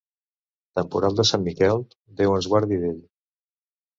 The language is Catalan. Temporal de Sant Miquel, Déu ens guardi d'ell.